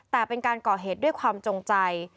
แต่เป็นการก่อเหตุด้วยความจงใจ